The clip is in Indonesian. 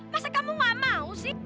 masa kamu gak mau sih